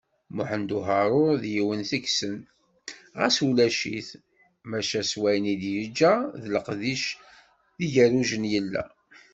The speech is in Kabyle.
Muḥemmed Uharu d yiwen deg-sen, ɣas ulac-it, maca s wayen i d-yeǧǧa d leqdic d yigerrujen yella.